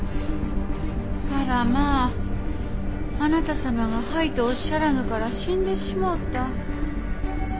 あらまぁあなた様が「はい」とおっしゃらぬから死んでしもうた。